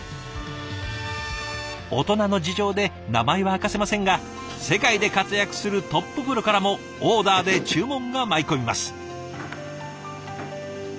オトナの事情で名前は明かせませんが世界で活躍するトッププロからもオーダーで注文が舞い込みます。